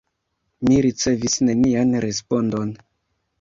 Mi ricevis nenian respondon.